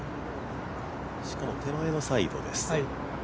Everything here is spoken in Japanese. しかも手前のサイドです。